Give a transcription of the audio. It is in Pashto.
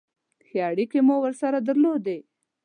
ښې اړیکې مې ورسره درلودې.